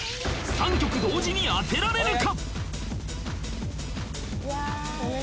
３曲同時に当てられるか？